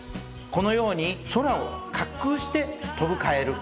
このように空を滑空して飛ぶカエル。